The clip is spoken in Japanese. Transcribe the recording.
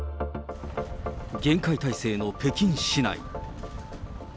厳戒態勢の北京市内。